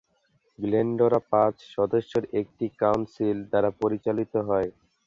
Glendora পাঁচ সদস্যের একটি সিটি কাউন্সিল দ্বারা পরিচালিত হয়।